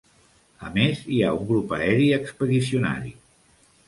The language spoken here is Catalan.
A més, hi ha un grup aeri expedicionari.